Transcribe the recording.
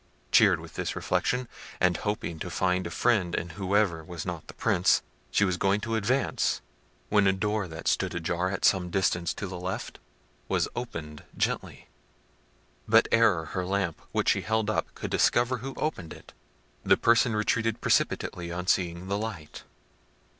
Cheered with this reflection, and hoping to find a friend in whoever was not the Prince, she was going to advance, when a door that stood ajar, at some distance to the left, was opened gently: but ere her lamp, which she held up, could discover who opened it, the person retreated precipitately on seeing the light.